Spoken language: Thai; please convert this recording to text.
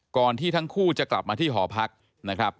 ที่ทั้งคู่จะกลับมาที่หอพักนะครับ